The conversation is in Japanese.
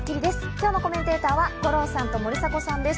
今日のコメンテーターは五郎さんと森迫さんです。